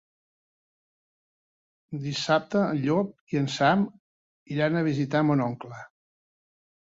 Dissabte en Llop i en Sam iran a visitar mon oncle.